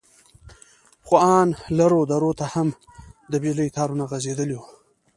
خو ان لرو درو ته هم د بجلي تارونه غځېدلي وو.